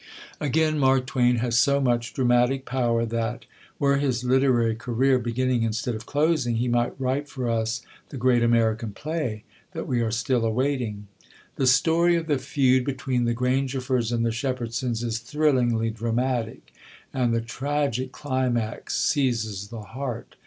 Again, Mark Twain has so much dramatic power that, were his literary career beginning instead of closing, he might write for us the great American play that we are still awaiting. The story of the feud between the Grangerfords and the Shepherdsons is thrillingly dramatic, and the tragic climax seizes the heart.